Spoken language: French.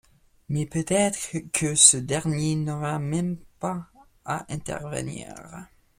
Mais peut-être que ce dernier n'aura même pas à intervenir...